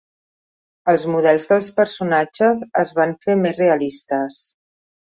Els models dels personatges es van fer més realistes.